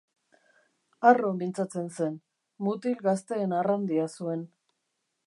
Harro mintzatzen zen, mutil gazteen arrandia zuen.